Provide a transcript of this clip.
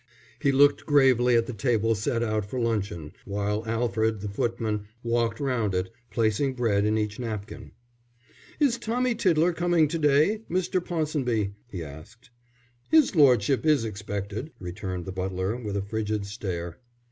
He looked gravely at the table set out for luncheon, while Alfred, the footman, walked round it, placing bread in each napkin. "Is Tommy Tiddler coming to day, Mr. Ponsonby?" he asked. "His lordship is expected," returned the butler, with a frigid stare.